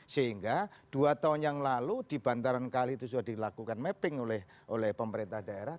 sehingga dua tahun yang lalu di bantaran kali itu sudah dilakukan mapping oleh pemerintah daerah